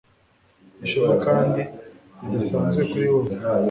Ishema kandi ridasanzwe kuri bose